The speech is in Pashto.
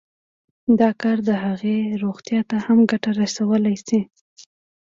دا کار د هغې روغتيا ته هم ګټه رسولی شي